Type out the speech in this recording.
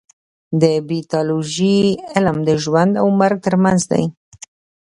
د پیتالوژي علم د ژوند او مرګ ترمنځ دی.